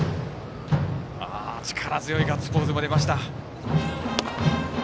力強いガッツポーズが出ました。